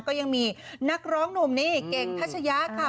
ก็ยังมีนักร้องหนุ่มนี่เก่งทัชยะค่ะ